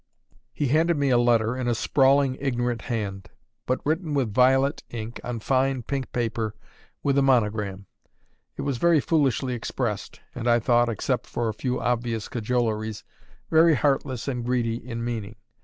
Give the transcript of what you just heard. He handed me a letter in a sprawling, ignorant hand, but written with violet ink on fine, pink paper with a monogram. It was very foolishly expressed, and I thought (except for a few obvious cajoleries) very heartless and greedy in meaning.